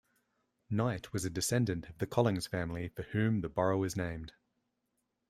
Knight was a descendant of the Collings family for whom the borough is named.